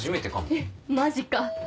えっマジか。